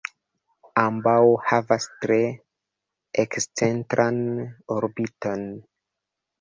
Ambaŭ havas tre ekscentran orbiton.